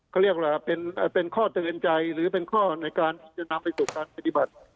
เขาเรียกว่าเป็นข้อเตือนใจหรือเป็นข้อในการที่จะนำไปสู่การปฏิบัติ